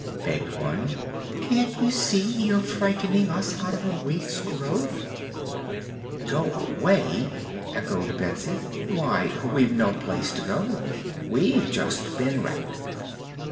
begged one. "Can't you see you're frightening us out of a week's growth?" "Go away!" echoed Betsy. "Why, we've no place to go. We've just been wrecked."